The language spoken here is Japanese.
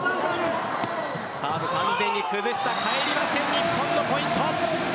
サーブ、完全に崩した返りません、日本のポイント。